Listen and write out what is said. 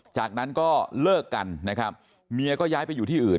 จากนั้นก็เลิกกันนะครับเมียก็ย้ายไปอยู่ที่อื่น